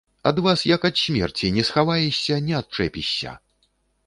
Ад вас, як ад смерці, не схаваешся, не адчэпішся!